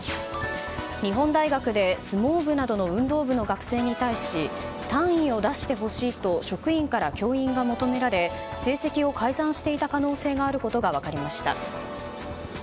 日本大学で相撲部などの運動部の学生に対し単位を出してほしいと職員から教員が求められ成績を改ざんしていた可能性があることが分かりました。